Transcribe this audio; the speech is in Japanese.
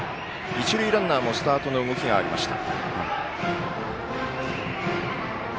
一塁ランナーもスタートの動きがありました。